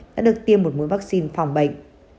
đã được tiêm một mũi vaccine phòng bệnh